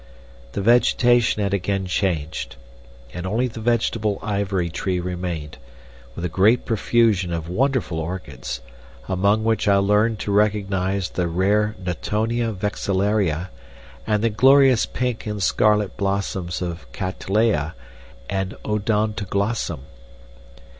The vegetation had again changed, and only the vegetable ivory tree remained, with a great profusion of wonderful orchids, among which I learned to recognize the rare Nuttonia Vexillaria and the glorious pink and scarlet blossoms of Cattleya and odontoglossum.